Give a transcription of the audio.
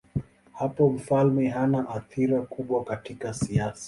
Hapo mfalme hana athira kubwa katika siasa.